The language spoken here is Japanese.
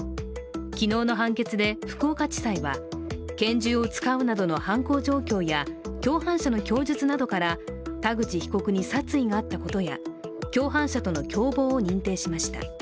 昨日の判決で福岡地裁は拳銃を使うなどの犯行状況や共犯者の供述などから、田口被告に殺意があったことや挙反社との共謀を認定しました。